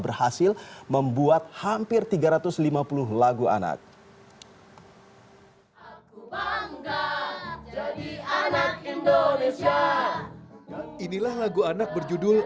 berhasil membuat hampir tiga ratus lima puluh lagu anak aku bangga jadi anak indonesia inilah lagu anak berjudul